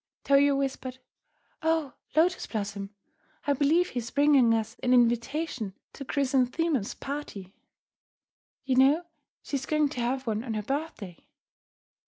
Toyo whispered, "Oh, Lotus Blossom, I believe he's bringing us an invitation to Chrysanthemum's party. You know she is going to have one on her birthday."